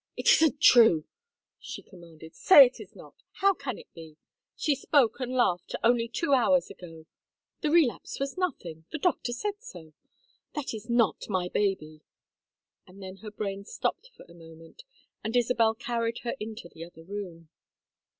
"It isn't true," she commanded. "Say it is not. How can it be? She spoke and laughed only two hours ago. The relapse was nothing. The doctor said so. That is not my baby." And then her brain stopped for a moment, and Isabel carried her into the other room.